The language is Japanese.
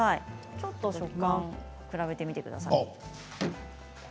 ちょっと食感を比べてみてください。